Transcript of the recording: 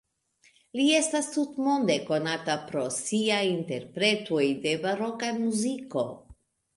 Li estas tutmonde konata pro sia interpretoj de baroka muziko.